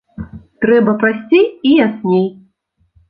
Трэба прасцей і ясней.